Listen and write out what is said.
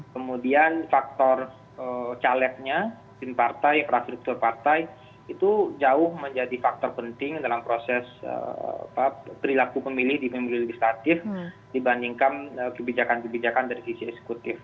kemudian faktor calegnya tim partai infrastruktur partai itu jauh menjadi faktor penting dalam proses perilaku pemilih di pemilu legislatif dibandingkan kebijakan kebijakan dari sisi eksekutif